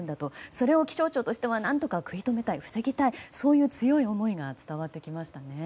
それを気象庁としては何とか食い止めたい、防ぎたいというそういう強い思いが伝わってきましたね。